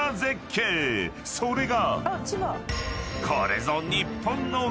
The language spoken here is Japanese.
［それが］